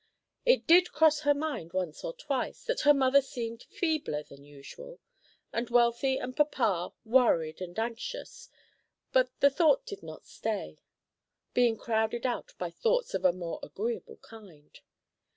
It did cross her mind once or twice that her mother seemed feebler than usual, and Wealthy and papa worried and anxious, but the thought did not stay, being crowded out by thoughts of a more agreeable kind.